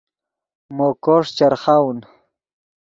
مو کوݰ چرخاؤن